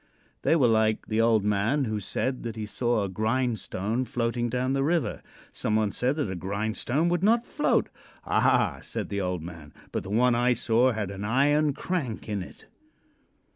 They were like the old man who said that he saw a grindstone floating down the river. Some one said that a grindstone would not float. "Ah," said the old man, "but the one I saw had an iron crank in it."